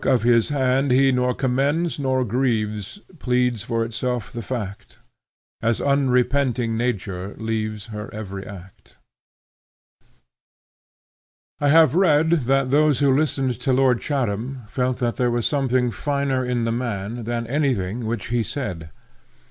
Work of his hand He nor commends nor grieves Pleads for itself the fact; As unrepenting Nature leaves Her every act. III. CHARACTER. I HAVE read that those who listened to Lord Chatham felt that there was something finer in the man than any thing which he said.